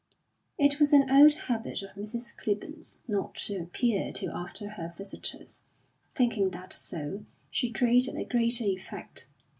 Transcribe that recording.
It was an old habit of Mrs. Clibborn's not to appear till after her visitors, thinking that so she created a greater effect.